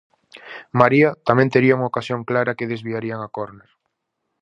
María tamén tería unha ocasión clara que desviarían a córner.